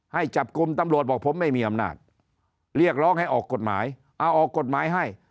ให้จับกลุ่มตำรวจบอกผมไม่มีอำนาจเรียกร้องให้ออกกฎหมายเอาออกกฎหมายให้